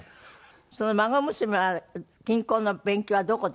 その孫娘は金工の勉強はどこで？